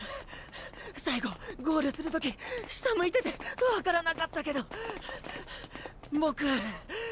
最後ゴールする時下向いてて分からなかったけどボク。